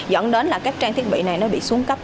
dẫn đến là các trang thiết bị này nó bị xuống cấp